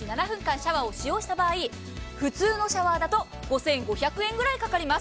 シャワーを使用した場合普通のシャワーだと５５００円くらいかかります。